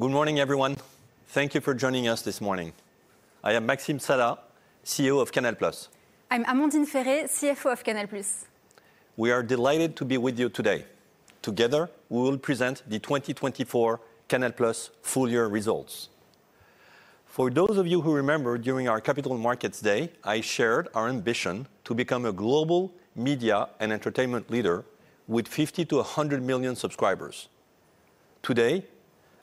Good morning, everyone. Thank you for joining us this morning. I am Maxime Saada, CEO of Canal+. I'm Amandine Ferré, CFO of Canal+. We are delighted to be with you today. Together, we will present the 2024 Canal+ full-year results. For those of you who remember, during our Capital Markets Day, I shared our ambition to become a global media and entertainment leader with 50-100 million subscribers.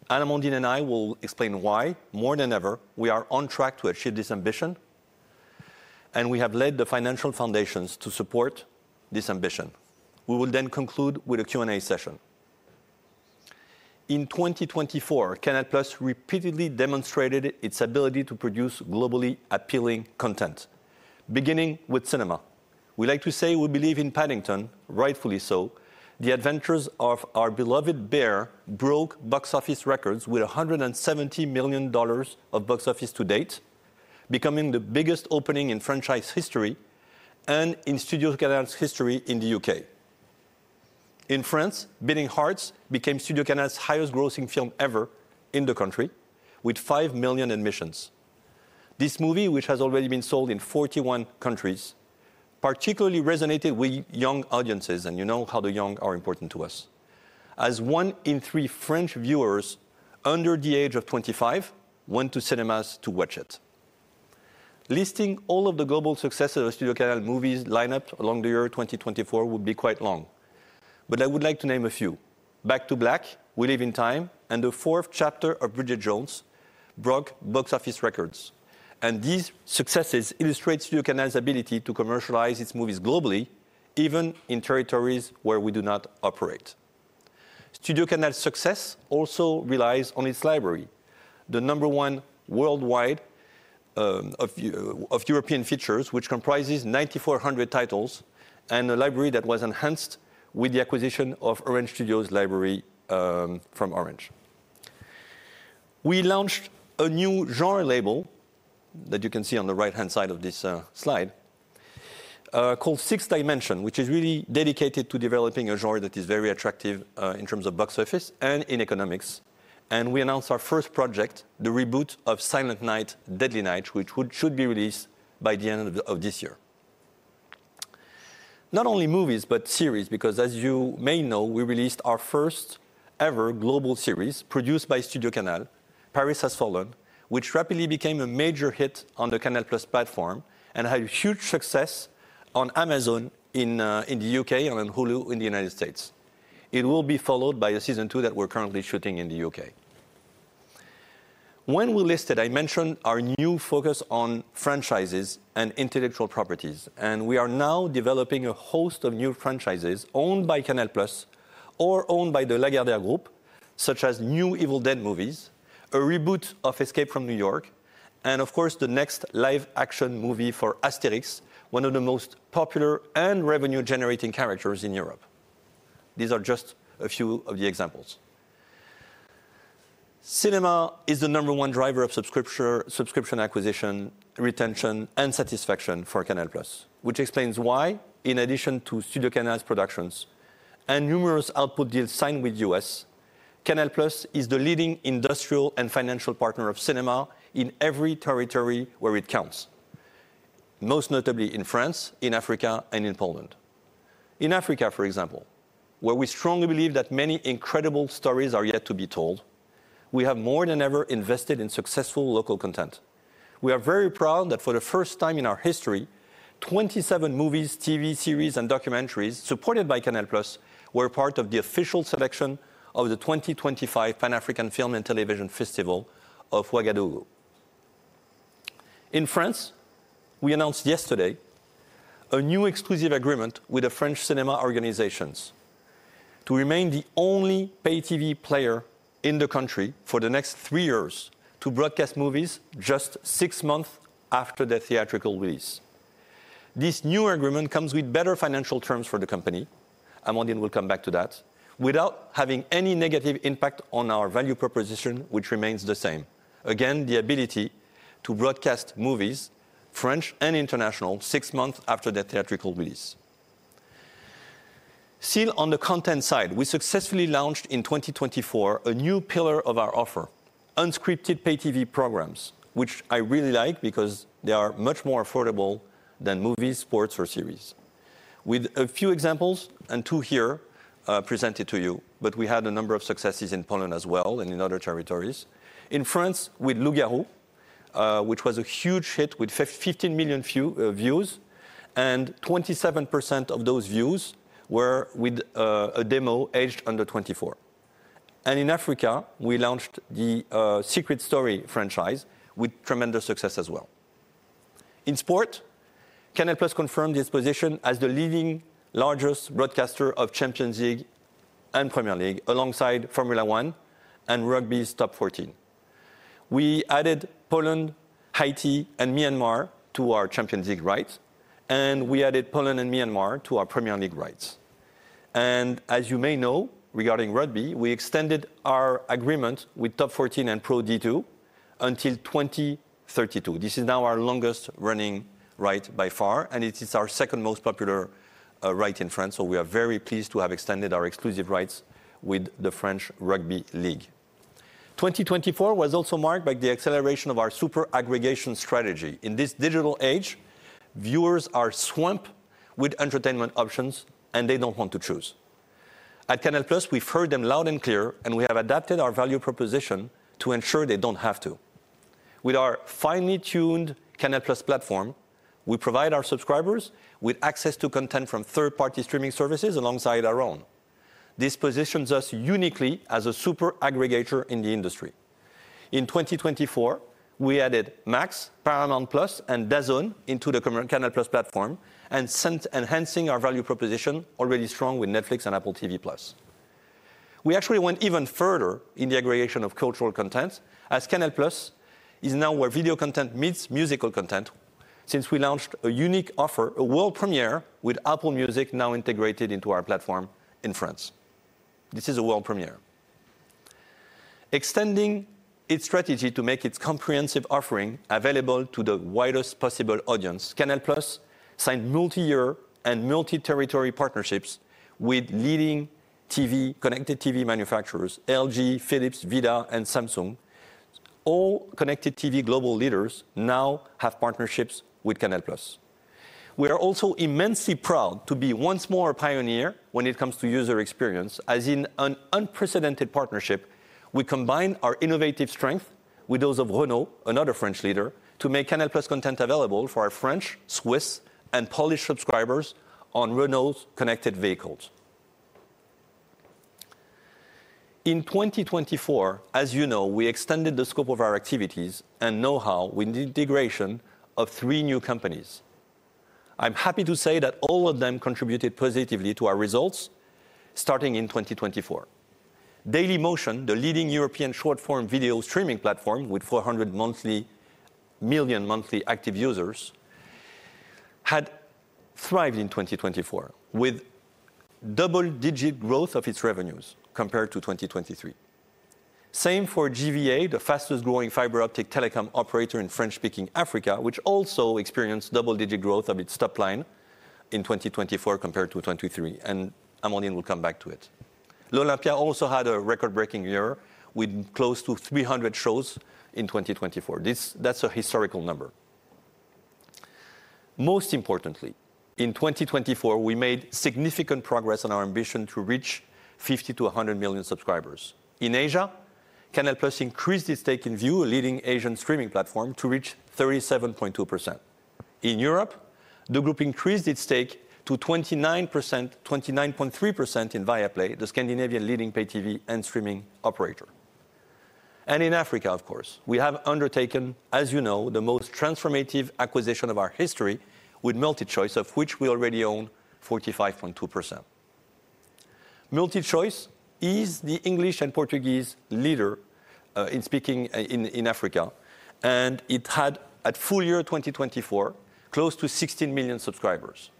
Today, Amandine and I will explain why, more than ever, we are on track to achieve this ambition, and we have laid the financial foundations to support this ambition. We will then conclude with a Q&A session. In 2024, Canal+ repeatedly demonstrated its ability to produce globally appealing content, beginning with cinema. We like to say we believe in Paddington, rightfully so. The adventures of our beloved bear broke box office records with $170 million of box office to date, becoming the biggest opening in franchise history and in Studio Canal's history in the U.K. In France, Beating Hearts became Studio Canal's highest-grossing film ever in the country, with five million admissions. This movie, which has already been sold in 41 countries, particularly resonated with young audiences, and you know how the young are important to us, as one in three French viewers under the age of 25 went to cinemas to watch it. Listing all of the global successes of Studio Canal's movies lined up along the year 2024 would be quite long, but I would like to name a few: Back to Black, We Live in Time, and The Fourth Chapter of Bridget Jones broke box office records. And these successes illustrate Studio Canal's ability to commercialize its movies globally, even in territories where we do not operate. StudioCanal's success also relies on its library, the number one worldwide of European features, which comprises 9,400 titles and a library that was enhanced with the acquisition of Orange Studio's library from Orange. We launched a new genre label that you can see on the right-hand side of this slide called Sixth Dimension, which is really dedicated to developing a genre that is very attractive in terms of box office and in economics, and we announced our first project, the reboot of Silent Night: Deadly Night, which should be released by the end of this year. Not only movies, but series, because as you may know, we released our first-ever global series produced by StudioCanal, Paris Has Fallen, which rapidly became a major hit on the Canal+ platform and had huge success on Amazon in the U.K. and on Hulu in the United States. It will be followed by a season two that we're currently shooting in the U.K. When we listed, I mentioned our new focus on franchises and intellectual properties, and we are now developing a host of new franchises owned by Canal+ or owned by the Lagardère Group, such as new Evil Dead movies, a reboot of Escape from New York, and of course, the next live-action movie for Asterix, one of the most popular and revenue-generating characters in Europe. These are just a few of the examples. Cinema is the number one driver of subscription acquisition, retention, and satisfaction for Canal+, which explains why, in addition to Studio Canal's productions and numerous output deals signed with the U.S., Canal+ is the leading industrial and financial partner of cinema in every territory where it counts, most notably in France, in Africa, and in Poland. In Africa, for example, where we strongly believe that many incredible stories are yet to be told, we have more than ever invested in successful local content. We are very proud that for the first time in our history, 27 movies, TV series, and documentaries supported by Canal+ were part of the official selection of the 2025 Pan-African Film and Television Festival of Ouagadougou. In France, we announced yesterday a new exclusive agreement with the French cinema organizations to remain the only pay-TV player in the country for the next three years to broadcast movies just six months after their theatrical release. This new agreement comes with better financial terms for the company. Amandine will come back to that, without having any negative impact on our value proposition, which remains the same. Again, the ability to broadcast movies, French and international, six months after their theatrical release. Still on the content side, we successfully launched in 2024 a new pillar of our offer, unscripted pay-TV programs, which I really like because they are much more affordable than movies, sports, or series. With a few examples, and two here presented to you, but we had a number of successes in Poland as well and in other territories. In France, with Loup-Garou, which was a huge hit with 15 million views, and 27% of those views were with a demo aged under 24. And in Africa, we launched the Secret Story franchise with tremendous success as well. In sport, Canal+ confirmed its position as the leading largest broadcaster of Champions League and Premier League alongside Formula 1 and rugby's Top 14. We added Poland, Haiti, and Myanmar to our Champions League rights, and we added Poland and Myanmar to our Premier League rights. As you may know, regarding rugby, we extended our agreement with Top 14 and Pro D2 until 2032. This is now our longest running right by far, and it is our second most popular right in France. We are very pleased to have extended our exclusive rights with the French Rugby League. 2024 was also marked by the acceleration of our super aggregation strategy. In this digital age, viewers are swamped with entertainment options, and they don't want to choose. At Canal+, we've heard them loud and clear, and we have adapted our value proposition to ensure they don't have to. With our finely tuned Canal+ platform, we provide our subscribers with access to content from third-party streaming services alongside our own. This positions us uniquely as a super aggregator in the industry. In 2024, we added Max, Paramount+, and DAZN into the Canal+ platform, enhancing our value proposition, already strong with Netflix and Apple TV+. We actually went even further in the aggregation of cultural content, as Canal+ is now where video content meets musical content, since we launched a unique offer, a world premiere with Apple Music now integrated into our platform in France. This is a world premiere. Extending its strategy to make its comprehensive offering available to the widest possible audience, Canal+ signed multi-year and multi-territory partnerships with leading connected TV manufacturers: LG, Philips, Vidaa, and Samsung. All connected TV global leaders now have partnerships with Canal+. We are also immensely proud to be once more a pioneer when it comes to user experience, as in an unprecedented partnership. We combine our innovative strength with those of Renault, another French leader, to make Canal+ content available for our French, Swiss, and Polish subscribers on Renault's connected vehicles. In 2024, as you know, we extended the scope of our activities and know-how with the integration of three new companies. I'm happy to say that all of them contributed positively to our results starting in 2024. Dailymotion, the leading European short-form video streaming platform with 400 million monthly active users, had thrived in 2024 with double-digit growth of its revenues compared to 2023. Same for GVA, the fastest-growing fiber optic telecom operator in French-speaking Africa, which also experienced double-digit growth of its top line in 2024 compared to 2023, and Amandine will come back to it. L'Olympia also had a record-breaking year with close to 300 shows in 2024. That's a historical number. Most importantly, in 2024, we made significant progress on our ambition to reach 50 to 100 million subscribers. In Asia, Canal+ increased its stake in Viu, a leading Asian streaming platform, to reach 37.2%. In Europe, the group increased its stake to 29.3% in Viaplay, the Scandinavian leading pay-TV and streaming operator. And in Africa, of course, we have undertaken, as you know, the most transformative acquisition of our history with MultiChoice, of which we already own 45.2%. MultiChoice is the English- and Portuguese-speaking leader in Africa, and it had, at full year 2024, close to 16 million subscribers.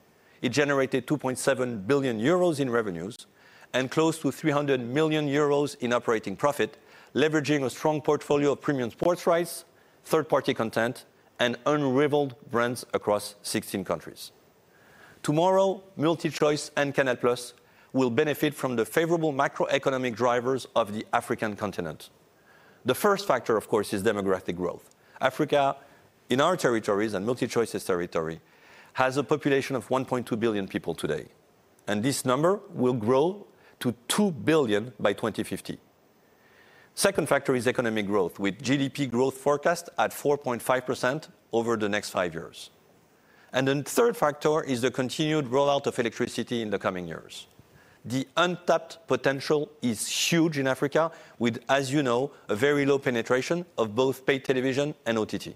It generated 2.7 billion euros in revenues and close to 300 million euros in operating profit, leveraging a strong portfolio of premium sports rights, third-party content, and unrivaled brands across 16 countries. Tomorrow, MultiChoice and Canal+ will benefit from the favorable macroeconomic drivers of the African continent. The first factor, of course, is demographic growth. Africa, in our territories and MultiChoice's territory, has a population of 1.2 billion people today, and this number will grow to 2 billion by 2050. The second factor is economic growth, with GDP growth forecast at 4.5% over the next five years, and the third factor is the continued rollout of electricity in the coming years. The untapped potential is huge in Africa, with, as you know, a very low penetration of both pay television and OTT.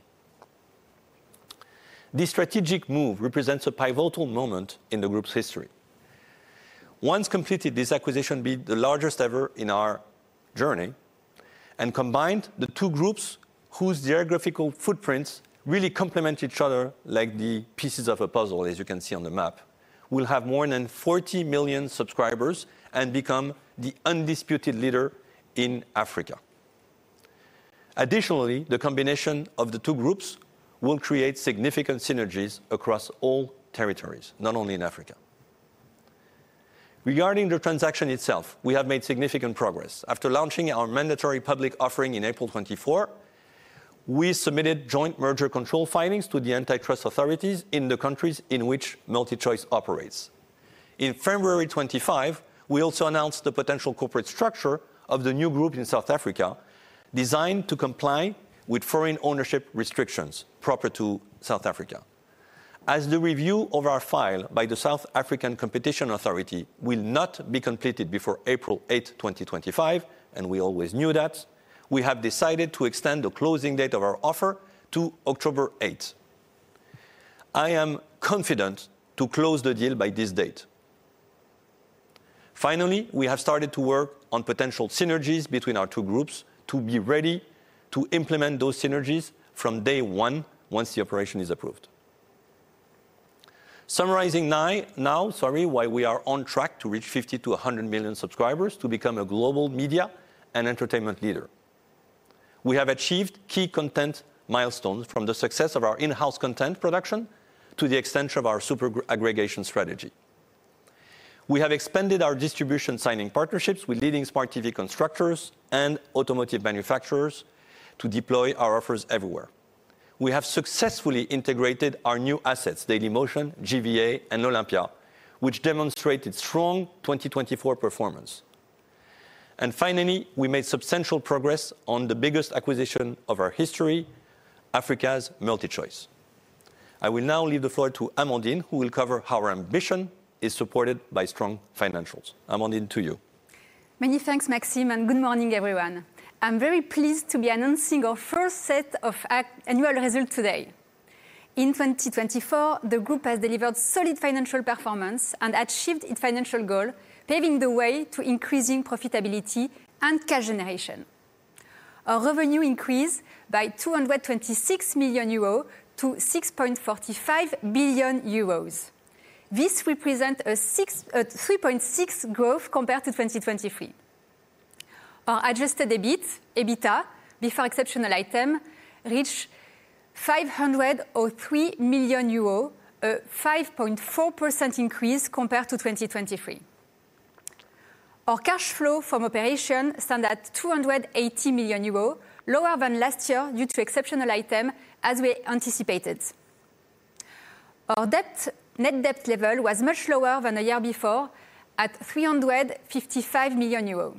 This strategic move represents a pivotal moment in the group's history. Once completed, this acquisition will be the largest ever in our journey, and combined, the two groups whose geographical footprints really complement each other like the pieces of a puzzle, as you can see on the map, will have more than 40 million subscribers and become the undisputed leader in Africa. Additionally, the combination of the two groups will create significant synergies across all territories, not only in Africa. Regarding the transaction itself, we have made significant progress. After launching our mandatory public offering in April 2024, we submitted joint merger control filings to the antitrust authorities in the countries in which MultiChoice operates. In February 2025, we also announced the potential corporate structure of the new group in South Africa, designed to comply with foreign ownership restrictions proper to South Africa. As the review of our file by the South African Competition Authority will not be completed before April 8, 2025, and we always knew that, we have decided to extend the closing date of our offer to October 8. I am confident to close the deal by this date. Finally, we have started to work on potential synergies between our two groups to be ready to implement those synergies from day one once the operation is approved. Summarizing now, sorry, why we are on track to reach 50-100 million subscribers to become a global media and entertainment leader. We have achieved key content milestones from the success of our in-house content production to the extension of our super aggregation strategy. We have expanded our distribution signing partnerships with leading smart TV constructors and automotive manufacturers to deploy our offers everywhere. We have successfully integrated our new assets, Dailymotion, GVA, and L'Olympia, which demonstrate its strong 2024 performance. And finally, we made substantial progress on the biggest acquisition of our history, Africa's MultiChoice. I will now leave the floor to Amandine, who will cover how our ambition is supported by strong financials. Amandine, to you. Many thanks, Maxime, and good morning, everyone. I'm very pleased to be announcing our first set of annual results today. In 2024, the group has delivered solid financial performance and achieved its financial goal, paving the way to increasing profitability and cash generation. Our revenue increased by 226 million euros to 6.45 billion euros. This represents a 3.6% growth compared to 2023. Our adjusted EBITDA, before exceptional item, reached 503 million euro, a 5.4% increase compared to 2023. Our cash flow from operations stands at 280 million euros, lower than last year due to exceptional item, as we anticipated. Our net debt level was much lower than a year before, at EUR 825 million euros.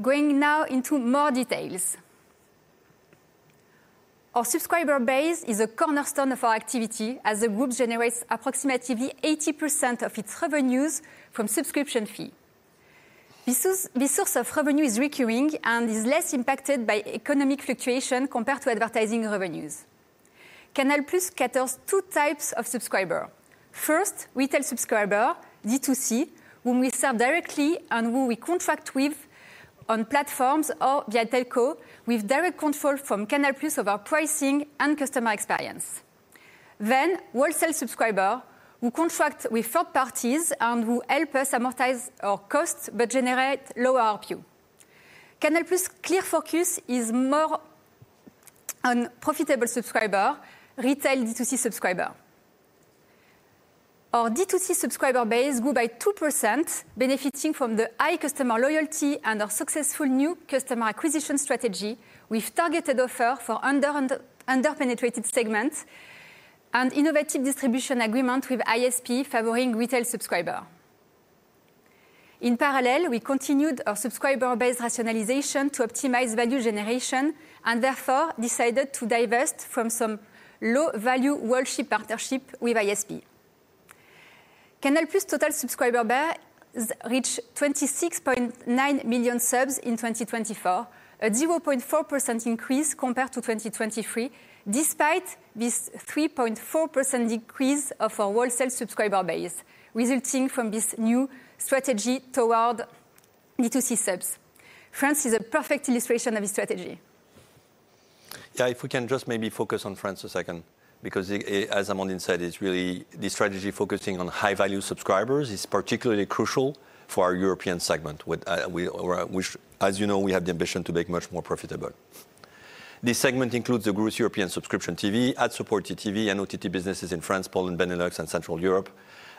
Going now into more details. Our subscriber base is a cornerstone of our activity, as the group generates approximately 80% of its revenues from subscription fees. This source of revenue is recurring and is less impacted by economic fluctuation compared to advertising revenues. Canal+ caters to two types of subscriber. First, retail subscriber, D2C, whom we serve directly and whom we contract with on platforms or via telco, with direct control from Canal+ over pricing and customer experience. Then, wholesale subscriber, who contracts with third parties and who helps us amortize our costs but generates lower RPU. Canal+'s clear focus is more on profitable subscriber, retail D2C subscriber. Our D2C subscriber base grew by 2%, benefiting from the high customer loyalty and our successful new customer acquisition strategy with targeted offers for under-penetrated segments and innovative distribution agreements with ISPs favoring retail subscribers. In parallel, we continued our subscriber base rationalization to optimize value generation and therefore decided to divest from some low-value wholesale partnerships with ISP. Canal+'s total subscriber base reached 26.9 million subs in 2024, a 0.4% increase compared to 2023, despite this 3.4% decrease of our wholesale subscriber base, resulting from this new strategy toward D2C subs. France is a perfect illustration of this strategy. Yeah, if we can just maybe focus on France a second, because, as Amandine said, it's really the strategy focusing on high-value subscribers is particularly crucial for our European segment, which, as you know, we have the ambition to make much more profitable. This segment includes the gross European subscription TV, ad-supported TV, and OTT businesses in France, Poland, Benelux, and Central Europe,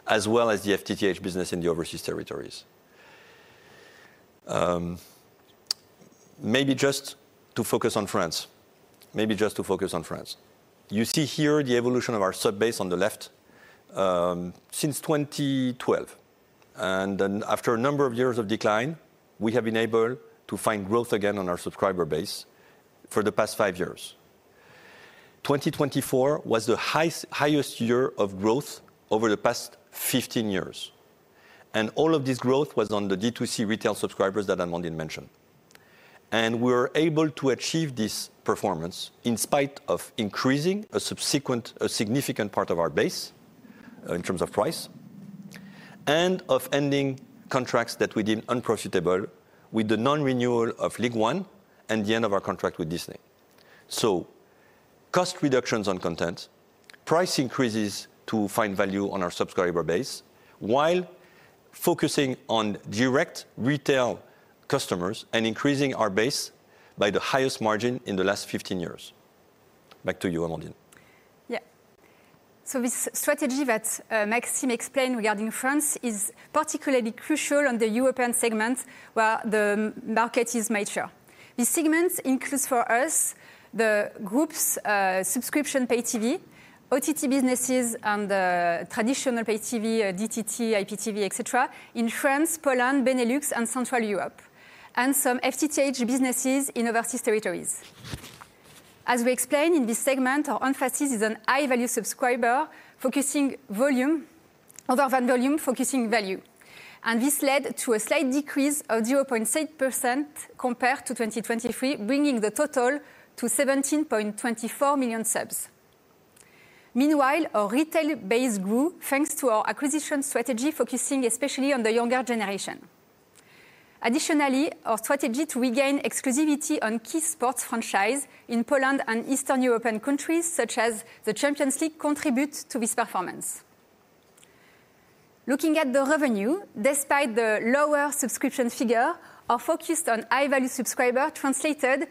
as well as the FTTH business in the overseas territories. Maybe just to focus on France. You see here the evolution of our sub base on the left since 2012. After a number of years of decline, we have been able to find growth again on our subscriber base for the past five years. 2024 was the highest year of growth over the past 15 years. All of this growth was on the D2C retail subscribers that Amandine mentioned. We were able to achieve this performance in spite of increasing a significant part of our base in terms of price and of ending contracts that we deemed unprofitable with the non-renewal of Ligue 1 and the end of our contract with Disney. Cost reductions on content, price increases to find value on our subscriber base, while focusing on direct retail customers and increasing our base by the highest margin in the last 15 years. Back to you, Amandine. Yeah. So, this strategy that Maxime explained regarding France is particularly crucial on the European segment where the market is mature. This segment includes for us the group's subscription pay TV, OTT businesses, and traditional pay TV, DTT, IPTV, etc., in France, Poland, Benelux, and Central Europe, and some FTTH businesses in overseas territories. As we explained in this segment, our emphasis is on high-value subscribers focusing value over volume. And this led to a slight decrease of 0.6% compared to 2023, bringing the total to 17.24 million subs. Meanwhile, our retail base grew thanks to our acquisition strategy focusing especially on the younger generation. Additionally, our strategy to regain exclusivity on key sports franchises in Poland and Eastern European countries such as the Champions League contributes to this performance. Looking at the revenue, despite the lower subscription figure, our focus on high-value subscribers translated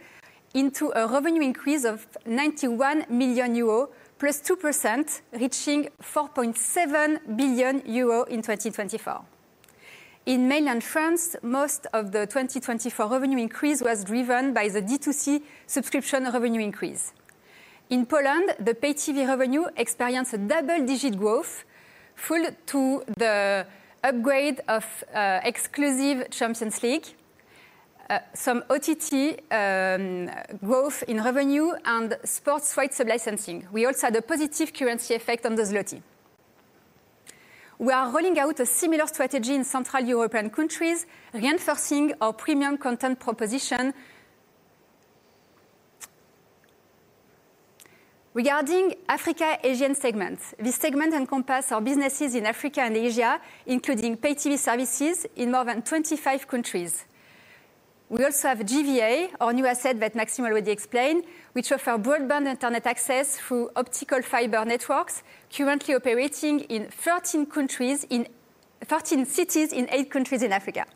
into a revenue increase of 91 million euro, +2%, reaching 4.7 billion euro in 2024. In mainland France, most of the 2024 revenue increase was driven by the D2C subscription revenue increase. In Poland, the Pay-TV revenue experienced a double-digit growth, fueled by the upgrade of exclusive Champions League, some OTT growth in revenue, and sports rights of licensing. We also had a positive currency effect on the zloty. We are rolling out a similar strategy in Central European countries, reinforcing our premium content proposition. Regarding Africa-Asia segment, this segment encompasses our businesses in Africa and Asia, including Pay-TV services in more than 25 countries. We also have GVA, our new asset that Maxime already explained, which offers broadband internet access through optical fiber networks, currently operating in 13 cities in eight countries in Africa.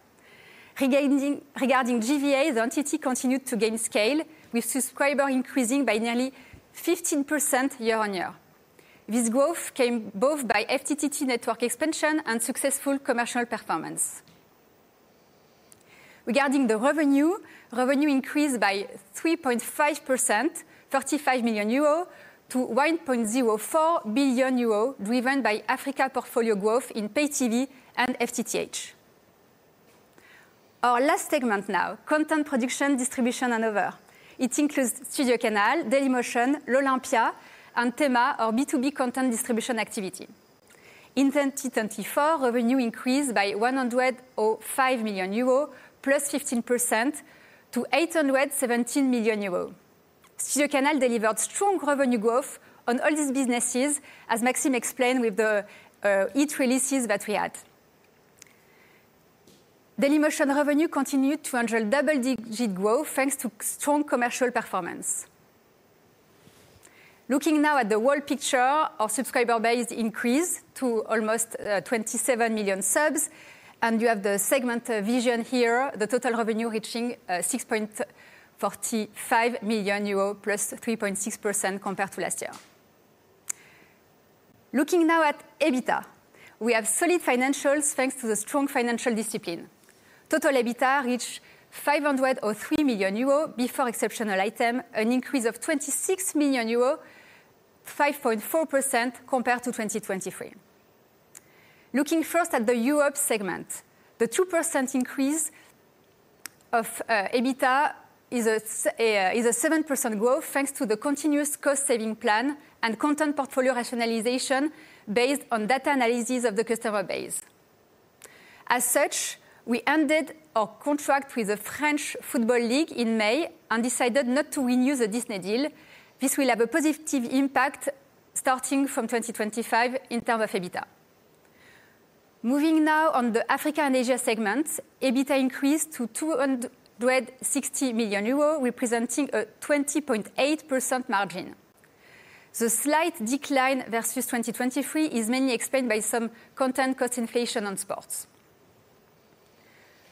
Regarding GVA, the entity continued to gain scale, with subscribers increasing by nearly 15% year on year. This growth came both by FTTH network expansion and successful commercial performance. Regarding the revenue, revenue increased by 3.5%, EUR 82 million euro, to 1.04 billion euro, driven by Africa portfolio growth in pay TV and FTTH. Our last segment now, content production, distribution, and offer. It includes Studio Canal, Dailymotion, L'Olympia, and Thema, our B2B content distribution activity. In 2024, revenue increased by 105 million euro, plus 15%, to 817 million euro. Studio Canal delivered strong revenue growth on all these businesses, as Maxime explained with the hit releases that we had. Dailymotion revenue continued to enjoy double-digit growth thanks to strong commercial performance. Looking now at the world picture, our subscriber base increased to almost 27 million subs, and you have the segment vision here, the total revenue reaching 6.45 million euros, plus 3.6% compared to last year. Looking now at EBITDA, we have solid financials thanks to the strong financial discipline. Total EBITDA reached 503 million euro before exceptional item, an increase of 26 million euro, 5.4% compared to 2023. Looking first at the Europe segment, the 2% increase of EBITDA is a 7% growth thanks to the continuous cost-saving plan and content portfolio rationalization based on data analysis of the customer base. As such, we ended our contract with the French Football League in May and decided not to renew the Disney deal. This will have a positive impact starting from 2025 in terms of EBITDA. Moving now on the Africa and Asia segment, EBITDA increased to 260 million euros, representing a 20.8% margin. The slight decline versus 2023 is mainly explained by some content cost inflation on sports.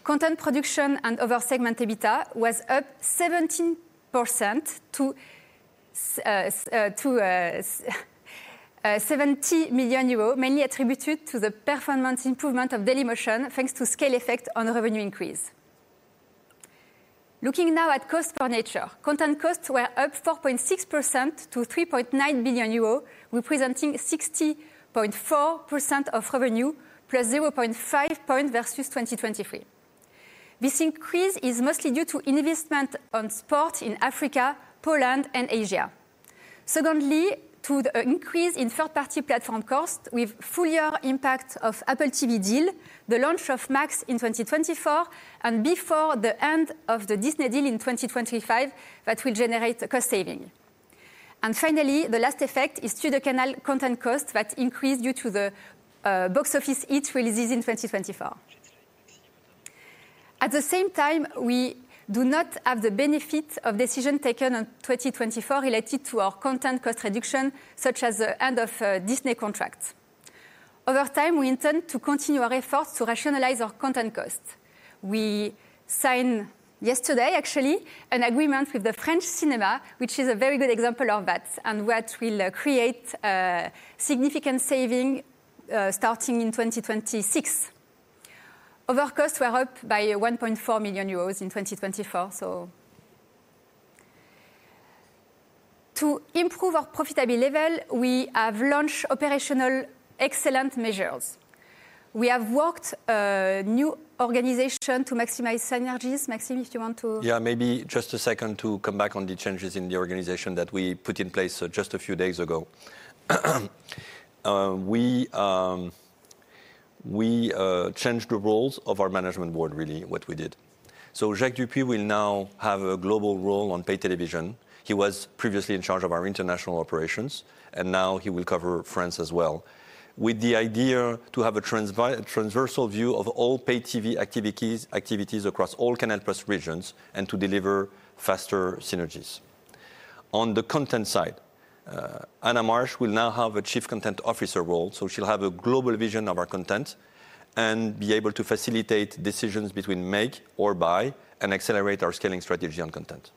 Content production and other segment EBITDA was up 17% to 70 million euros, mainly attributed to the performance improvement of Dailymotion thanks to scale effect on revenue increase. Looking now at costs by nature, content costs were up 4.6% to 3.9 billion euro, representing 60.4% of revenue, plus 0.5 point versus 2023. This increase is mostly due to investment on sports in Africa, Poland, and Asia. Secondly, to the increase in third-party platform costs with the full year impact of the Apple TV deal, the launch of Max in 2024, and before the end of the Disney deal in 2025 that will generate cost savings. And finally, the last effect is Studio Canal content costs that increased due to the box office hit releases in 2024. At the same time, we do not have the benefit of decisions taken in 2024 related to our content cost reduction, such as the end of Disney contracts. Over time, we intend to continue our efforts to rationalize our content costs. We signed yesterday, actually, an agreement with the French cinema, which is a very good example of that and will create significant savings starting in 2026. Other costs were up by 1.4 million euros in 2024. So, to improve our profitability level, we have launched operational excellence measures. We have worked on a new organization to maximize synergies. Maxime, if you want to. Yeah, maybe just a second to come back on the changes in the organization that we put in place just a few days ago. We changed the roles of our management board, really, what we did. Jacques Dupuy will now have a global role on pay television. He was previously in charge of our international operations, and now he will cover France as well, with the idea to have a transversal view of all pay TV activities across all Canal+ regions and to deliver faster synergies. On the content side, Anna Marsh will now have a chief content officer role, so she'll have a global vision of our content and be able to facilitate decisions between make or buy and accelerate our scaling strategy on content.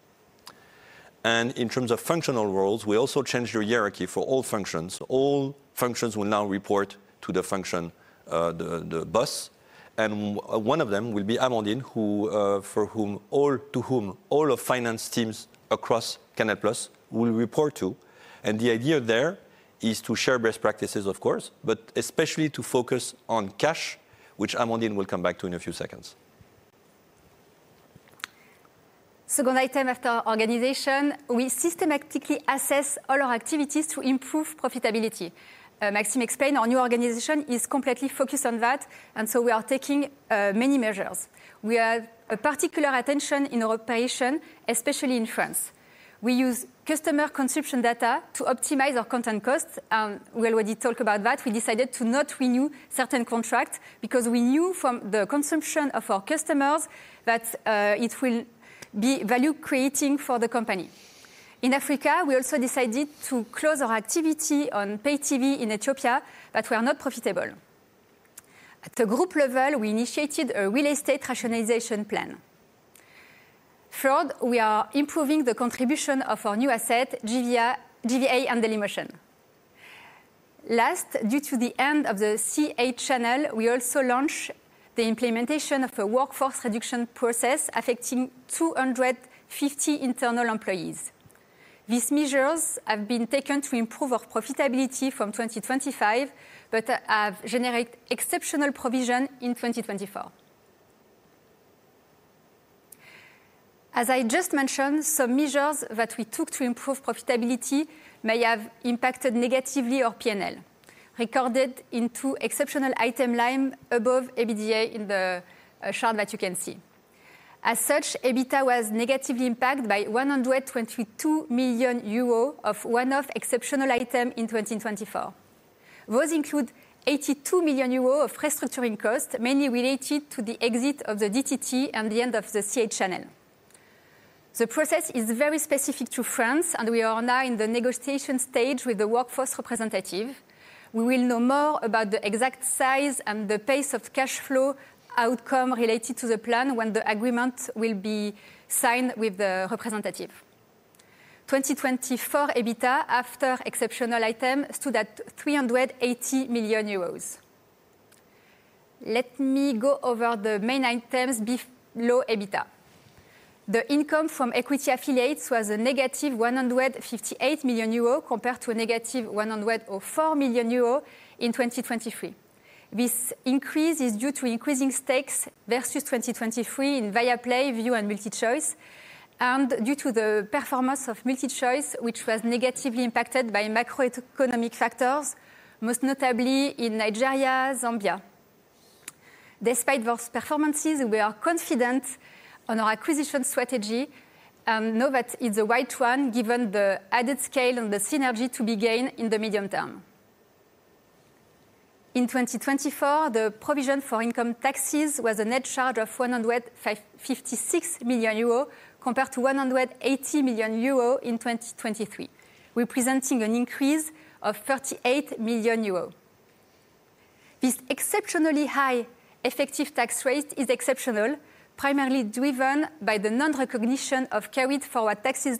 In terms of functional roles, we also changed the hierarchy for all functions. All functions will now report to the function, the boss, one of them will be Amandine, for whom all of finance teams across Canal+ will report to. The idea there is to share best practices, of course, but especially to focus on cash, which Amandine will come back to in a few seconds. Second item, after organization, we systematically assess all our activities to improve profitability. Maxime explained our new organization is completely focused on that, and so we are taking many measures. We have a particular attention in our operation, especially in France. We use customer consumption data to optimize our content costs, and we already talked about that. We decided to not renew certain contracts because we knew from the consumption of our customers that it will be value-creating for the company. In Africa, we also decided to close our activity on pay TV in Ethiopia, but we are not profitable. At the group level, we initiated a real estate rationalization plan. Third, we are improving the contribution of our new asset, GVA and Dailymotion. Last, due to the end of the C8 channel, we also launched the implementation of a workforce reduction process affecting 250 internal employees. These measures have been taken to improve our profitability from 2025, but have generated exceptional provision in 2024. As I just mentioned, some measures that we took to improve profitability may have impacted negatively our P&L, recorded in two exceptional item lines above EBITDA in the chart that you can see. As such, EBITDA was negatively impacted by 122 million euro of one-off exceptional item in 2024. Those include 82 million euro of restructuring costs, mainly related to the exit of the DTT and the end of the C8 channel. The process is very specific to France, and we are now in the negotiation stage with the workforce representative. We will know more about the exact size and the pace of cash flow outcome related to the plan when the agreement will be signed with the representative. 2024 EBITDA, after exceptional item, stood at 380 million euros. Let me go over the main items below EBITDA. The income from equity affiliates was a negative 158 million euro compared to a negative 104 million euro in 2023. This increase is due to increasing stakes versus 2023 in Viaplay, Viu, and MultiChoice, and due to the performance of MultiChoice, which was negatively impacted by macroeconomic factors, most notably in Nigeria and Zambia. Despite those performances, we are confident on our acquisition strategy and know that it's a wide one given the added scale and the synergy to be gained in the medium term. In 2024, the provision for income taxes was a net charge of 156 million euro compared to 180 million euro in 2023, representing an increase of 38 million euro. This exceptionally high effective tax rate is exceptional, primarily driven by the non-recognition of carried-forward taxes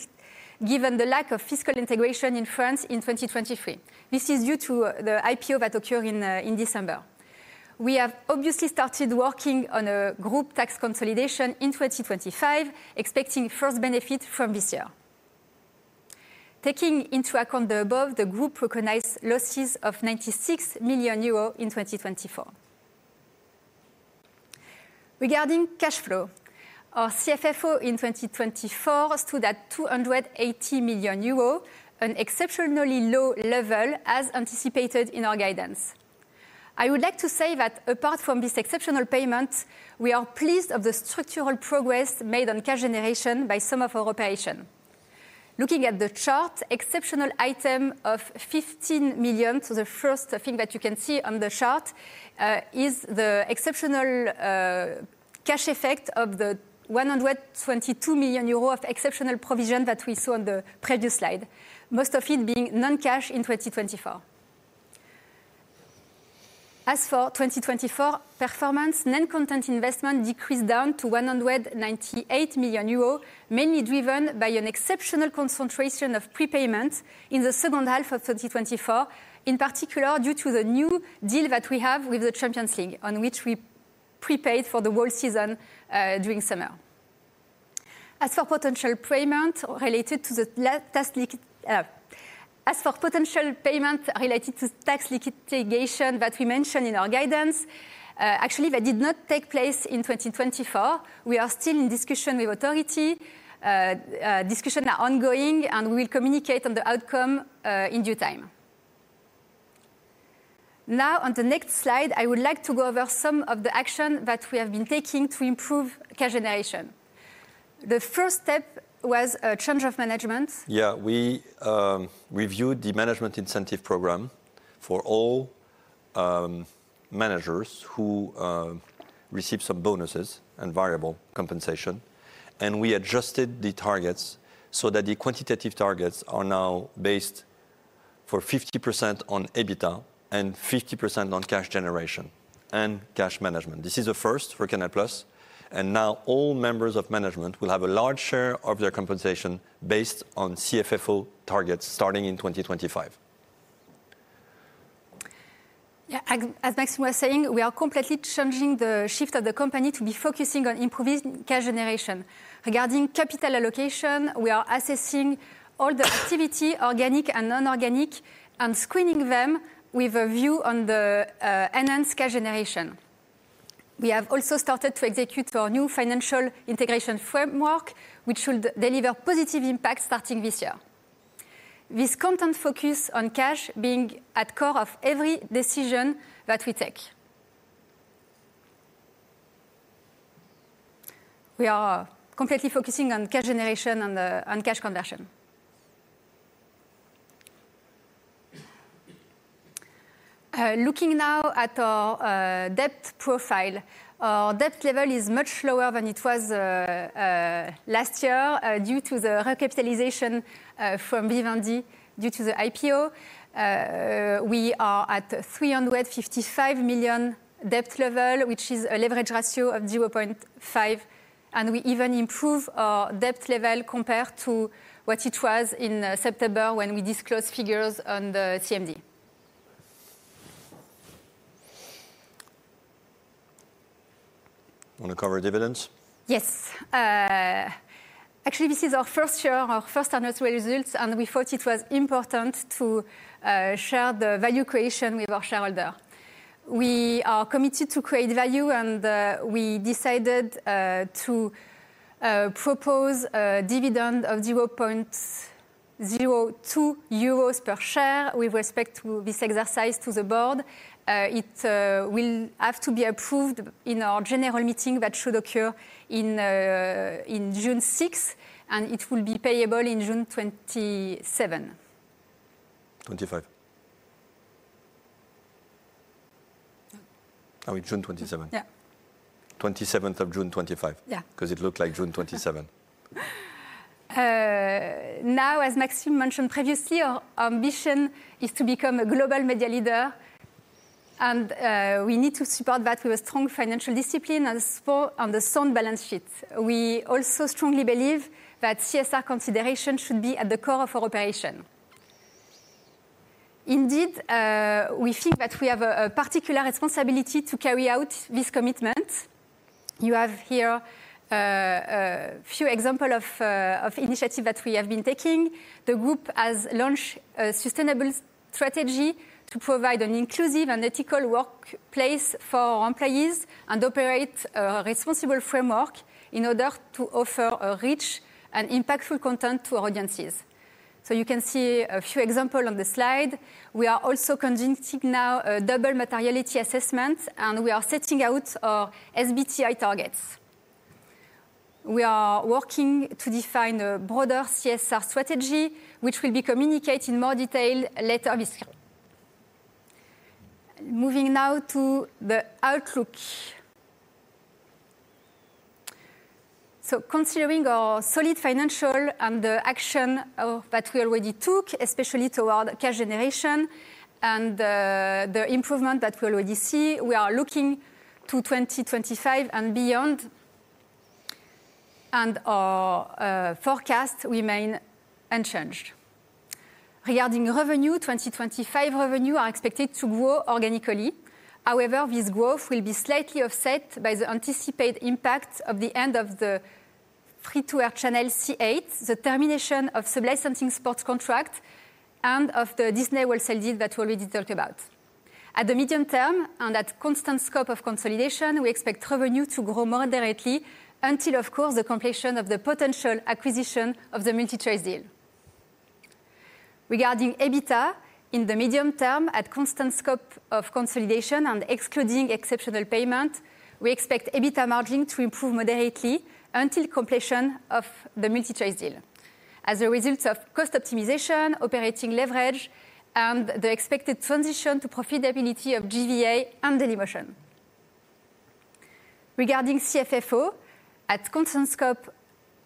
given the lack of fiscal integration in France in 2023. This is due to the IPO that occurred in December. We have obviously started working on a group tax consolidation in 2025, expecting first benefits from this year. Taking into account the above, the group recognized losses of 96 million euro in 2024. Regarding cash flow, our CFFO in 2024 stood at 280 million euros, an exceptionally low level, as anticipated in our guidance. I would like to say that apart from this exceptional payment, we are pleased with the structural progress made on cash generation by some of our operations. Looking at the chart, exceptional item of 15 million, so the first thing that you can see on the chart is the exceptional cash effect of the 122 million euro of exceptional provision that we saw on the previous slide, most of it being non-cash in 2024. As for 2024 performance, net content investment decreased down to 198 million euros, mainly driven by an exceptional concentration of prepayments in the second half of 2024, in particular due to the new deal that we have with the Champions League, on which we prepaid for the whole season during summer. As for potential payment related to the tax liquidation, as for potential payment related to tax liquidation that we mentioned in our guidance, actually, that did not take place in 2024, we are still in discussion with authority. Discussions are ongoing, and we will communicate on the outcome in due time. Now, on the next slide, I would like to go over some of the actions that we have been taking to improve cash generation. The first step was a change of management. Yeah, we reviewed the management incentive program for all managers who receive some bonuses and variable compensation, and we adjusted the targets so that the quantitative targets are now based for 50% on EBITDA and 50% on cash generation and cash management. This is the first for Canal+, and now all members of management will have a large share of their compensation based on CFFO targets starting in 2025. Yeah, as Maxime was saying, we are completely changing the shift of the company to be focusing on improving cash generation. Regarding capital allocation, we are assessing all the activity, organic and non-organic, and screening them with a view on the enhanced cash generation. We have also started to execute our new financial integration framework, which should deliver positive impacts starting this year. This constant focus on cash being at the core of every decision that we take. We are completely focusing on cash generation and cash conversion. Looking now at our debt profile, our debt level is much lower than it was last year due to the recapitalization from Vivendi due to the IPO. We are at EUR 825 million debt level, which is a leverage ratio of 0.5, and we even improved our debt level compared to what it was in September when we disclosed figures on the CMD. Want to cover dividends? Yes. Actually, this is our first year, our first annual results, and we thought it was important to share the value creation with our shareholder. We are committed to create value, and we decided to propose a dividend of 0.02 euros per share with respect to this exercise to the board. It will have to be approved in our general meeting that should occur on June 6, and it will be payable on the 27th. 27th of June 2025. Now, as Maxime mentioned previously, our ambition is to become a global media leader, and we need to support that with a strong financial discipline and a sound balance sheet. We also strongly believe that CSR considerations should be at the core of our operation. Indeed, we think that we have a particular responsibility to carry out this commitment. You have here a few examples of initiatives that we have been taking. The group has launched a sustainable strategy to provide an inclusive and ethical workplace for our employees and operate a responsible framework in order to offer rich and impactful content to our audiences. So you can see a few examples on the slide. We are also conducting now a double materiality assessment, and we are setting out our SBTi targets. We are working to define a broader CSR strategy, which will be communicated in more detail later this year. Moving now to the outlook. So considering our solid financial and the action that we already took, especially toward cash generation and the improvement that we already see, we are looking to 2025 and beyond, and our forecast remains unchanged. Regarding revenue, 2025 revenue is expected to grow organically. However, this growth will be slightly offset by the anticipated impact of the end of the free-to-air channel C8, the termination of the licensing sports contract, and of the Disney output deal that we already talked about. At the medium term and at constant scope of consolidation, we expect revenue to grow moderately until, of course, the completion of the potential acquisition of the MultiChoice deal. Regarding EBITDA, in the medium term, at constant scope of consolidation and excluding exceptional payment, we expect EBITDA margin to improve moderately until completion of the MultiChoice deal, as a result of cost optimization, operating leverage, and the expected transition to profitability of GVA and Dailymotion. Regarding CFFO, at constant scope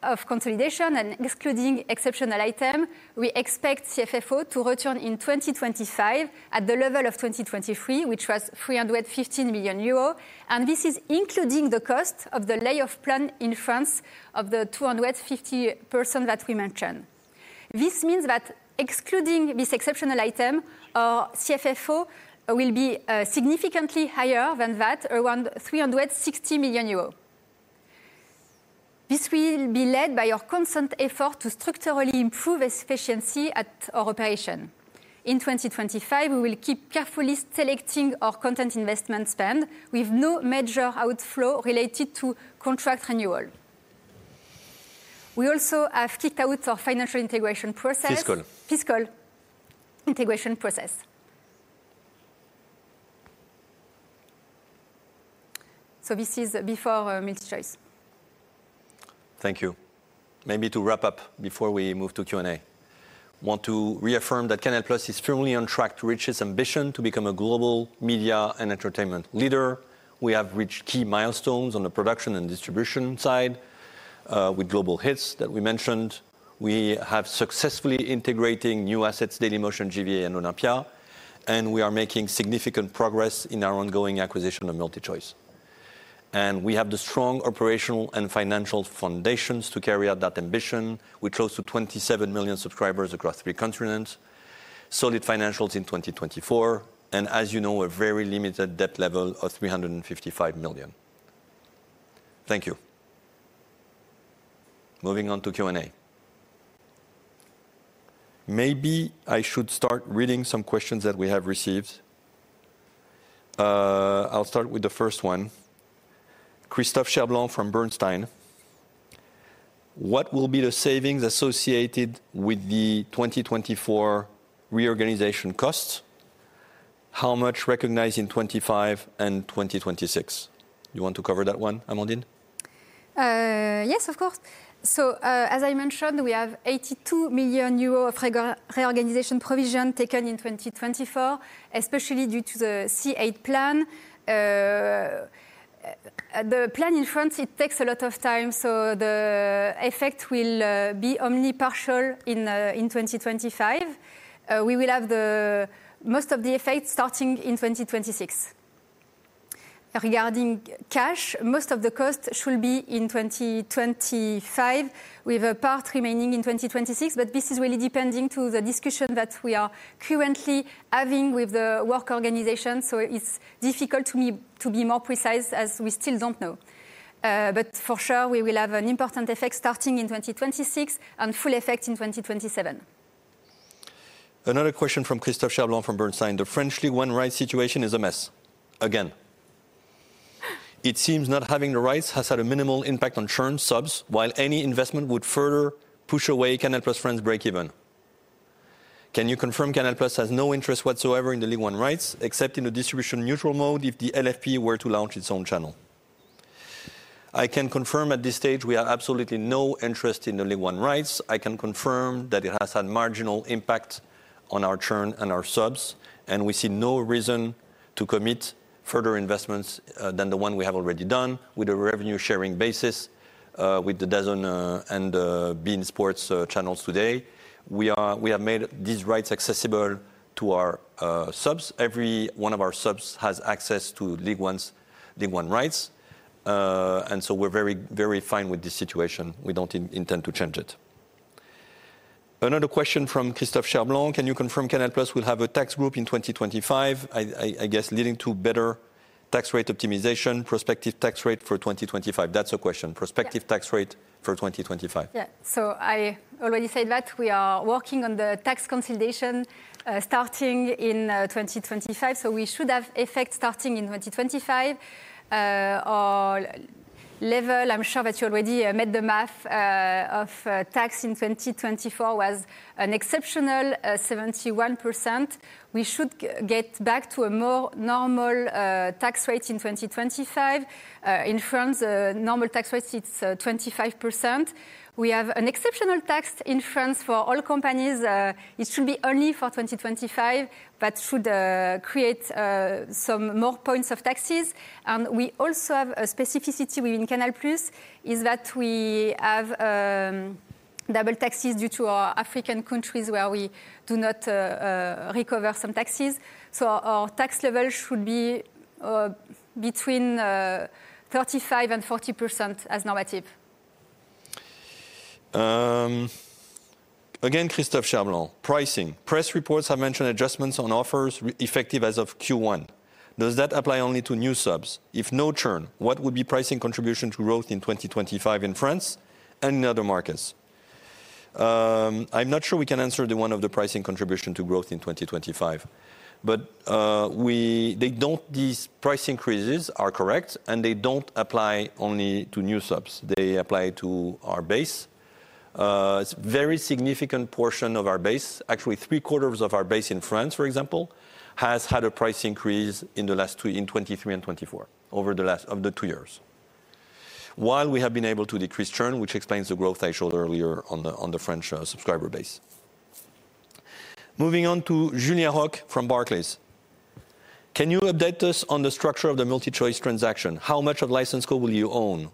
of consolidation and excluding exceptional item, we expect CFFO to return in 2025 at the level of 2023, which was 315 million euros, and this is including the cost of the layoff plan in France of the 250% that we mentioned. This means that excluding this exceptional item, our CFFO will be significantly higher than that, around 360 million euros. This will be led by our constant effort to structurally improve efficiency at our operation. In 2025, we will keep carefully selecting our content investment spend with no major outflow related to contract renewal. We also have kicked out our fiscal integration process. So this is before MultiChoice. Thank you. Maybe to wrap up before we move to Q&A, I want to reaffirm that Canal+ is firmly on track to reach its ambition to become a global media and entertainment leader. We have reached key milestones on the production and distribution side with global hits that we mentioned. We have successfully integrated new assets, Dailymotion, GVA, and L'Olympia, and we are making significant progress in our ongoing acquisition of MultiChoice. And we have the strong operational and financial foundations to carry out that ambition with close to 27 million subscribers across three continents, solid financials in 2024, and, as you know, a very limited debt level of EUR 825 million. Thank you. Moving on to Q&A. Maybe I should start reading some questions that we have received. I'll start with the first one. Christophe Cherblanc from Bernstein. What will be the savings associated with the 2024 reorganization costs? How much recognized in 2025 and 2026? You want to cover that one, Amandine? Yes, of course. So as I mentioned, we 82 million euro of reorganization provision taken in 2024, especially due to the C8 plan. The plan in France, it takes a lot of time, so the effect will be only partial in 2025. We will have most of the effect starting in 2026. Regarding cash, most of the cost should be in 2025, with a part remaining in 2026, but this is really depending on the discussion that we are currently having with the work organization, so it's difficult to be more precise as we still don't know. But for sure, we will have an important effect starting in 2026 and full effect in 2027. Another question from Christophe Cherblanc from Bernstein. The Ligue 1 rights situation is a mess. Again. It seems not having the rights has had a minimal impact on churn subs, while any investment would further push away Canal+ France break-even. Can you confirm Canal+ has no interest whatsoever in the Ligue 1 Rights, except in the distribution neutral mode if the LFP were to launch its own channel? I can confirm at this stage we have absolutely no interest in the Ligue 1 Rights. I can confirm that it has had marginal impact on our churn and our subs, and we see no reason to commit further investments than the one we have already done with a revenue-sharing basis with the DAZN and BeIN Sports channels today. We have made these rights accessible to our subs. Every one of our subs has access to Ligue 1 Rights, and so we're very, very fine with this situation. We don't intend to change it. Another question from Christophe Cherblanc. Can you confirm Canal+ will have a tax group in 2025, I guess, leading to better tax rate optimization, prospective tax rate for 2025? That's a question. Prospective tax rate for 2025. Yeah, so I already said that we are working on the tax consolidation starting in 2025, so we should have effect starting in 2025. Our level, I'm sure that you already made the math of tax in 2024 was an exceptional 71%. We should get back to a more normal tax rate in 2025. In France, the normal tax rate is 25%. We have an exceptional tax in France for all companies. It should be only for 2025, but should create some more points of taxes. And we also have a specificity within Canal+ is that we have double taxes due to our African countries where we do not recover some taxes. Our tax level should be between 35% and 40% as normative. Again, Christophe Cherblanc. Pricing. Press reports have mentioned adjustments on offers effective as of Q1. Does that apply only to new subs? If no churn, what would be pricing contribution to growth in 2025 in France and in other markets? I'm not sure we can answer the one of the pricing contribution to growth in 2025, but these price increases are correct, and they don't apply only to new subs. They apply to our base. It's a very significant portion of our base. Actually, three-quarters of our base in France, for example, has had a price increase in the last two, in 2023 and 2024, over the last of the two years, while we have been able to decrease churn, which explains the growth I showed earlier on the French subscriber base. Moving on to Julien Roch from Barclays. Can you update us on the structure of the MultiChoice transaction? How much of license fees will you own?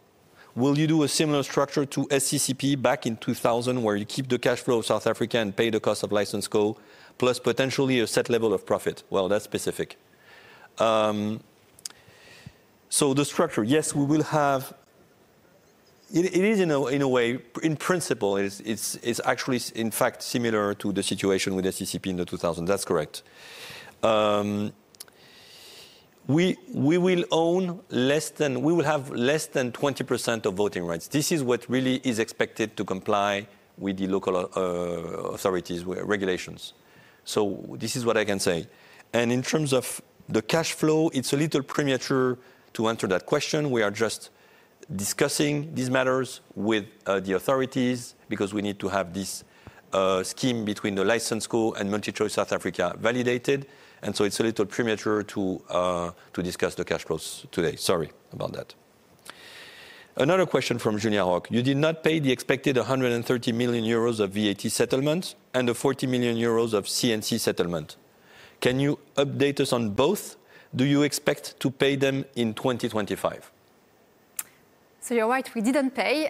Will you do a similar structure to SCCP back in 2000 where you keep the cash flow of South Africa and pay the cost of license fees plus potentially a set level of profit? Well, that's specific. So the structure, yes, we will have. It is, in a way, in principle, it's actually, in fact, similar to the situation with SCCP in the 2000. That's correct. We will have less than 20% of voting rights. This is what really is expected to comply with the local authorities' regulations. So this is what I can say. And in terms of the cash flow, it's a little premature to answer that question. We are just discussing these matters with the authorities because we need to have this scheme between the license code and MultiChoice South Africa validated, and so it's a little premature to discuss the cash flows today. Sorry about that. Another question from Julien Roch. You did not pay the expected 130 million euros of VAT settlement and the 40 million euros of CNC settlement. Can you update us on both? Do you expect to pay them in 2025? So you're right, we didn't pay.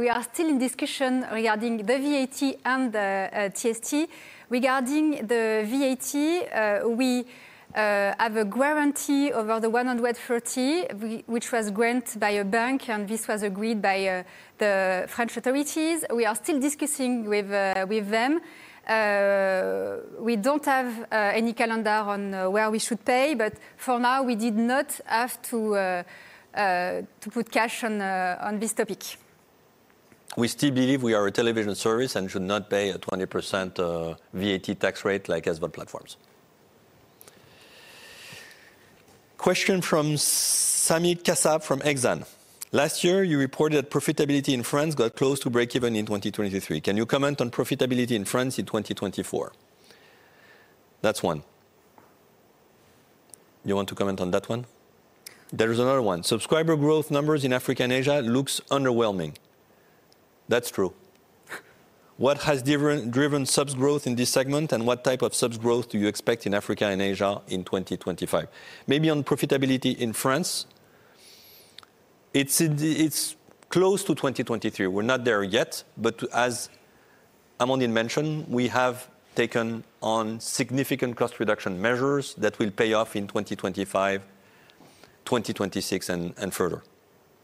We are still in discussion regarding the VAT and the CNC. Regarding the VAT, we have a guarantee over the 130, which was granted by a bank, and this was agreed by the French authorities. We are still discussing with them. We don't have any calendar on where we should pay, but for now, we did not have to put cash on this topic. We still believe we are a television service and should not pay a 20% VAT tax rate like SVOD platforms. Question from Sami Kassab from Exane last year, you reported that profitability in France got close to break-even in 2023. Can you comment on profitability in France in 2024? That's one. You want to comment on that one? There is another one. Subscriber growth numbers in Africa and Asia look underwhelming. That's true. What has driven subs growth in this segment, and what type of subs growth do you expect in Africa and Asia in 2025? Maybe on profitability in France. It's close to 2023. We're not there yet, but as Amandine mentioned, we have taken on significant cost reduction measures that will pay off in 2025, 2026, and further.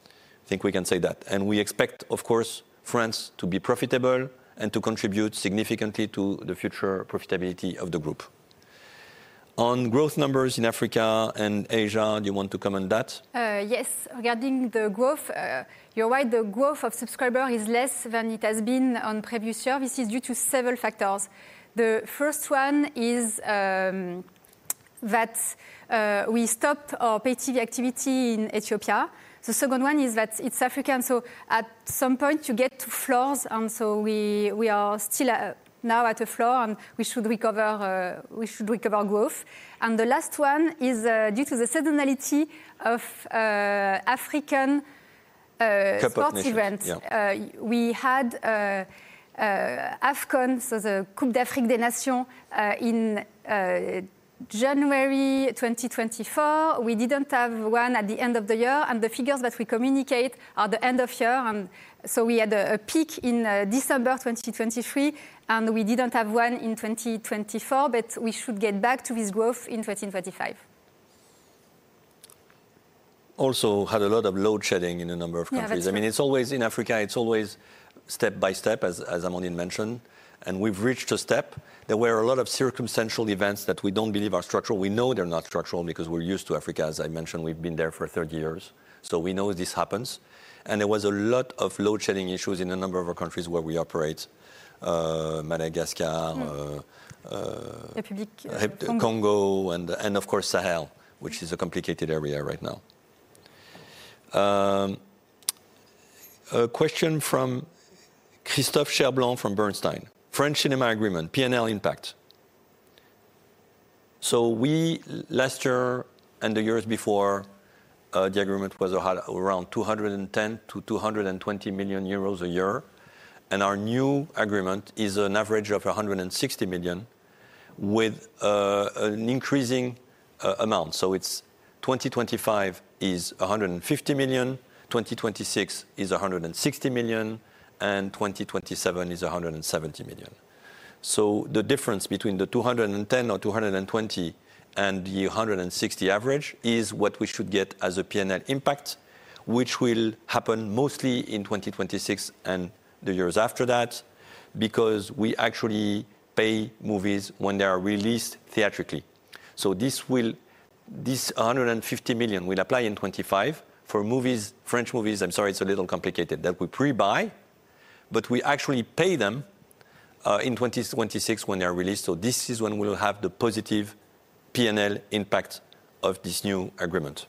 I think we can say that. And we expect, of course, France to be profitable and to contribute significantly to the future profitability of the group. On growth numbers in Africa and Asia, do you want to comment on that? Yes. Regarding the growth, you're right, the growth of subscribers is less than it has been on previous years. This is due to several factors. The first one is that we stopped our pay-TV activity in Ethiopia. The second one is that it's African, so at some point, you get to floors, and so we are still now at a floor, and we should recover growth. And the last one is due to the seasonality of African sports events. We had AFCON, so the Coupe d'Afrique des Nations, in January 2024. We didn't have one at the end of the year, and the figures that we communicate are the end of year. And so we had a peak in December 2023, and we didn't have one in 2024, but we should get back to this growth in 2025. We also had a lot of load shedding in a number of countries. I mean, it's always in Africa, it's always step by step, as Amandine mentioned, and we've reached a step. There were a lot of circumstantial events that we don't believe are structural. We know they're not structural because we're used to Africa. As I mentioned, we've been there for 30 years, so we know this happens. And there was a lot of load shedding issues in a number of our countries where we operate: Madagascar, the Republic of the Congo, and of course, Sahel, which is a complicated area right now. A question from Christophe Cherblanc from Bernstein. French Cinema Agreement, PNL impact. So we, last year and the years before, the agreement was around 210-220 million euros a year, and our new agreement is an average of 160 million with an increasing amount. So it's 2025 is 150 million, 2026 is 160 million, and 2027 is 170 million. So the difference between the 210 or 220 and the 160 average is what we should get as a PNL impact, which will happen mostly in 2026 and the years after that because we actually pay movies when they are released theatrically. So this 150 million will apply in 2025 for movies, French movies. I'm sorry, it's a little complicated that we pre-buy, but we actually pay them in 2026 when they are released. So this is when we will have the positive PNL impact of this new agreement.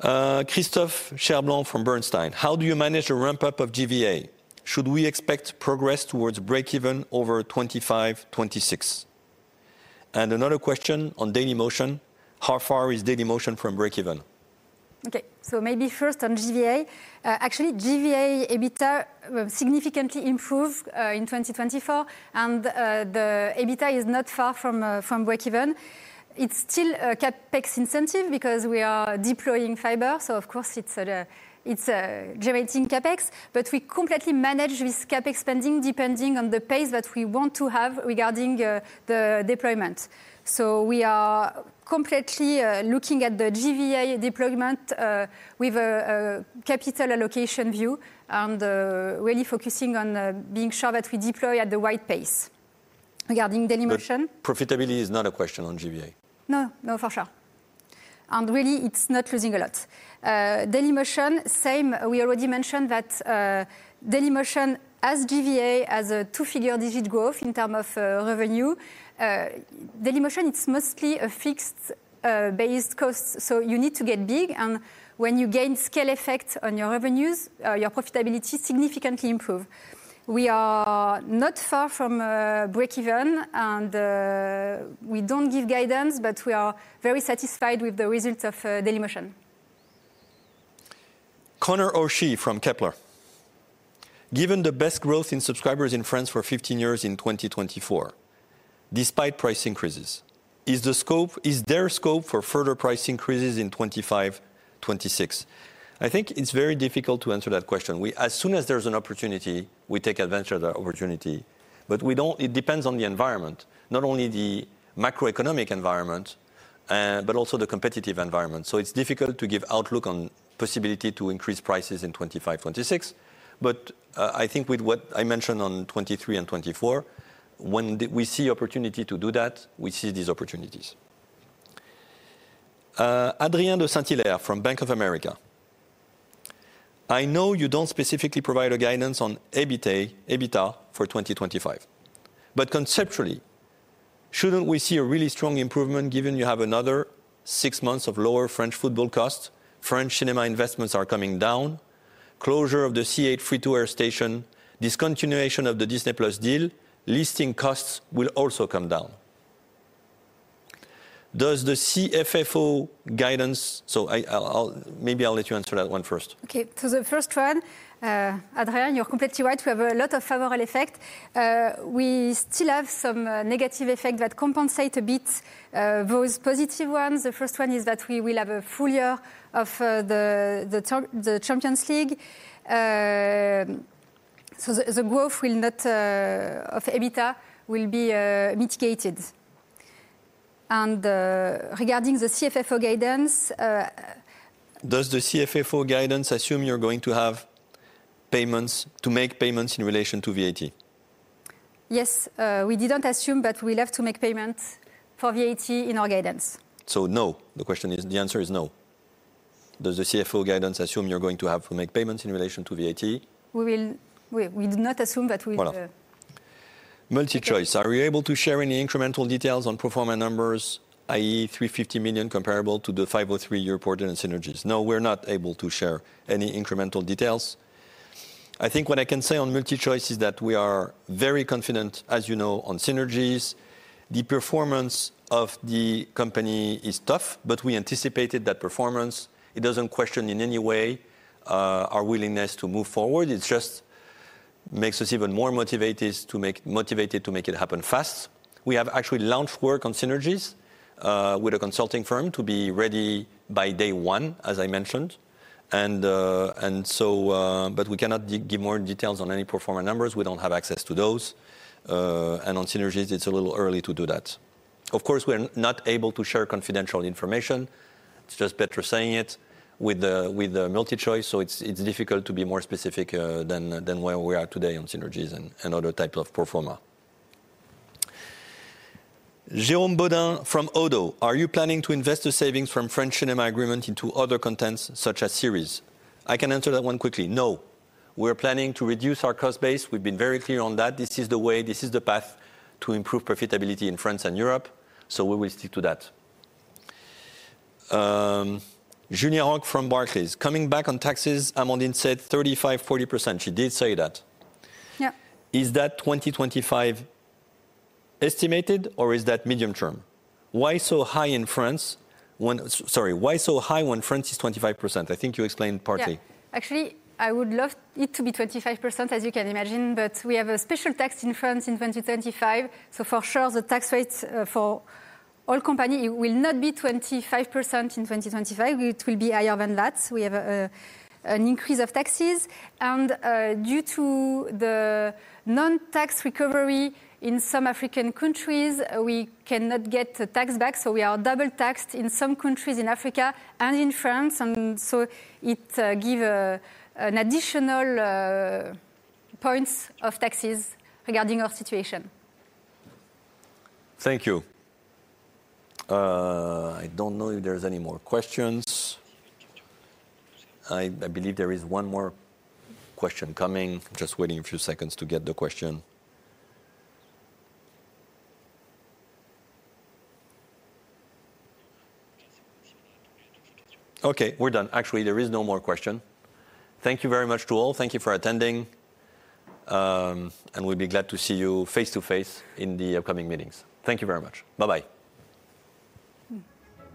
Christophe Cherblanc from Bernstein. How do you manage the ramp-up of GVA? Should we expect progress towards break-even over 2025, 2026? And another question on Dailymotion. How far is Dailymotion from break-even? Okay, so maybe first on GVA. Actually, GVA EBITDA significantly improved in 2024, and the EBITDA is not far from break-even. It's still a CapEx intensive because we are deploying fiber, so of course, it's generating CapEx, but we completely manage this CapEx spending depending on the pace that we want to have regarding the deployment. So we are completely looking at the GVA deployment with a capital allocation view and really focusing on being sure that we deploy at the right pace. Regarding Dailymotion? Profitability is not a question on GVA. No, no, for sure. And really, it's not losing a lot. Dailymotion, same. We already mentioned that Dailymotion has, as GVA, double-digit growth in terms of revenue. Dailymotion, it's mostly a fixed-based cost, so you need to get big, and when you gain scale effect on your revenues, your profitability significantly improves. We are not far from break-even, and we don't give guidance, but we are very satisfied with the results of Dailymotion. Conor O'Shea from Kepler. Given the best growth in subscribers in France for 15 years in 2024, despite price increases, is there scope for further price increases in 2025, 2026? I think it's very difficult to answer that question. As soon as there's an opportunity, we take advantage of that opportunity, but it depends on the environment, not only the macroeconomic environment, but also the competitive environment. So it's difficult to give outlook on the possibility to increase prices in 2025, 2026, but I think with what I mentioned on 2023 and 2024, when we see opportunity to do that, we see these opportunities. Adrien de Saint-Hilaire from Bank of America. I know you don't specifically provide a guidance on EBITDA for 2025, but conceptually, shouldn't we see a really strong improvement given you have another six months of lower French football costs? French cinema investments are coming down. Closure of the C8 free-to-air station, discontinuation of the Disney+ deal, listing costs will also come down. Does the CFFO guidance? So maybe I'll let you answer that one first. Okay, so the first one, Adrien, you're completely right. We have a lot of favorable effects. We still have some negative effects that compensate a bit those positive ones. The first one is that we will have a full year of the Champions League, so the growth of EBITDA will be mitigated, and regarding the CFFO guidance. Does the CFFO guidance assume you're going to have payments to make payments in relation to VAT? Yes, we didn't assume, but we left to make payments for VAT in our guidance. So no, the answer is no. Does the CFFO guidance assume you're going to have to make payments in relation to VAT? We did not assume that we will. MultiChoice, are you able to share any incremental details on performance numbers, i.e., 350 million comparable to the 503 you reported on synergies? No, we're not able to share any incremental details. I think what I can say on MultiChoice is that we are very confident, as you know, on synergies. The performance of the company is tough, but we anticipated that performance. It doesn't question in any way our willingness to move forward. It just makes us even more motivated to make it happen fast. We have actually launched work on synergies with a consulting firm to be ready by day one, as I mentioned, and so but we cannot give more details on any performance numbers. We don't have access to those. And on synergies, it's a little early to do that. Of course, we're not able to share confidential information. It's just better saying it with the MultiChoice, so it's difficult to be more specific than where we are today on synergies and other types of pro forma. Jérôme Bodin from Oddo. Are you planning to invest the savings from French Cinema Agreement into other contents such as series? I can answer that one quickly. No. We're planning to reduce our cost base. We've been very clear on that. This is the way, this is the path to improve profitability in France and Europe, so we will stick to that. Julien Roch from Barclays. Coming back on taxes, Amandine said 35%,40%. She did say that. Is that 2025 estimated, or is that medium term? Why so high in France? Sorry, why so high when France is 25%? I think you explained partly. Actually, I would love it to be 25%, as you can imagine, but we have a special tax in France in 2025, so for sure, the tax rates for all companies will not be 25% in 2025. It will be higher than that. We have an increase of taxes, and due to the non-tax recovery in some African countries, we cannot get tax back, so we are double taxed in some countries in Africa and in France, and so it gives an additional point of taxes regarding our situation. Thank you. I don't know if there are any more questions. I believe there is one more question coming. just waiting a few seconds to get the question. Okay, we're done. Actually, there is no more question. Thank you very much to all. Thank you for attending, and we'll be glad to see you face-to-face in the upcoming meetings. Thank you very much. Bye-bye.